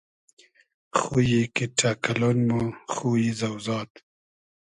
خویی کیݖݖۂ کئلۉن مۉ خویی زۆزاد